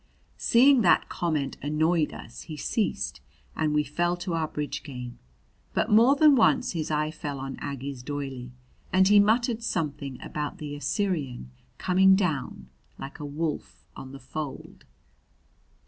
Seeing that comment annoyed us, he ceased, and we fell to our bridge game; but more than once his eye fell on Aggie's doily, and he muttered something about the Assyrian coming down like a wolf on the fold.